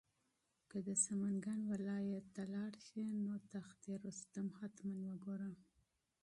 که د سمنګان ولایت ته لاړ شې نو تخت رستم حتماً وګوره.